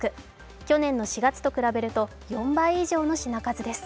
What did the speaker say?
去年の４月と比べると４倍以上の品数です。